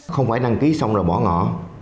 không phải đăng ký xong rồi bỏ ngỏ